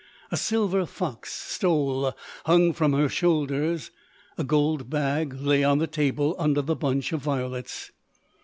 A silver fox stole hung from her shoulders; a gold bag lay on the table under the bunch of violets.